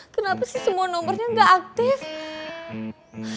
kenapa sih semua nomornya gak aktif